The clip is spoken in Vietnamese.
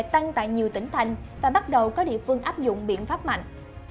tăng tại nhiều tỉnh thành và bắt đầu có địa phương áp dụng biện pháp mạnh